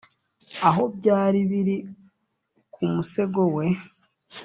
aho byari biri ku musego we.